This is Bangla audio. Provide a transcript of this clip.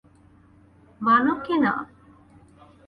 মান কি না?